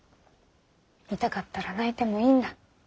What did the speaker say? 痛かったら泣いてもいいんだ。